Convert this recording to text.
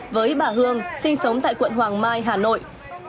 với bà hương sinh sống tại quận hoàng mai hà nội